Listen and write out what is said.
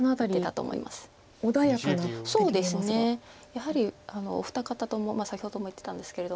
やはりお二方とも先ほども言ってたんですけれども。